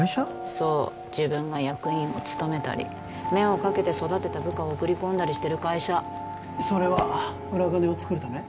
そう自分が役員を務めたり目をかけて育てた部下を送り込んだりしてる会社それは裏金を作るため？